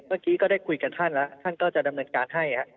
ก็ได้คุยกับท่านแล้วท่านก็จะดำเนินการให้